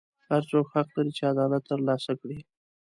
هر څوک حق لري چې عدالت ترلاسه کړي.